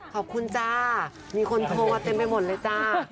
ขอบคุณจ้ามีคนโทรมาเต็มไปหมดเลยจ้า